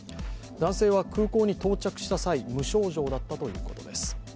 男性は空港に到着した際無症状だったということです。